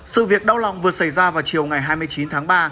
sự việc đau lòng vừa xảy ra vào chiều ngày hai mươi chín tháng ba